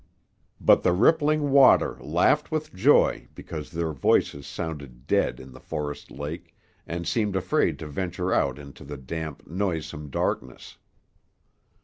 But the rippling water laughed with joy because their voices sounded dead in the forest lake, and seemed afraid to venture out into the damp, noisome darkness.